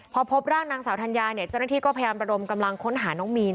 พอพบร่างนางสาวธัญญาเนี่ยเจ้าหน้าที่ก็พยายามระดมกำลังค้นหาน้องมีน